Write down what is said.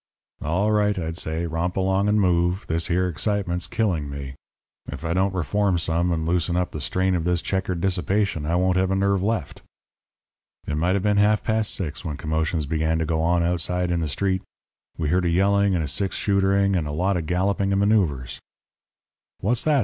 "'All right,' I'd say. 'Romp along and move. This here excitement's killing me. If I don't reform some, and loosen up the strain of this checkered dissipation I won't have a nerve left.' "It might have been half past six when commotions began to go on outside in the street. We heard a yelling and a six shootering, and a lot of galloping and manoeuvres. "'What's that?'